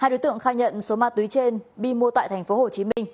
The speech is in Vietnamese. hai đối tượng khai nhận số ma túy trên bi mua tại thành phố hồ chí minh